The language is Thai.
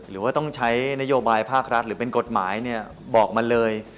หรือว่าต้องใช้นโยบายภาครัฐหรือเป็นกฎหมายบอกมาเลย